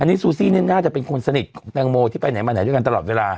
อันนี้ซูซี่นี่น่าจะเป็นคนสนิทของแตงโมที่ไปไหนมาไหนด้วยกันตลอดเวลา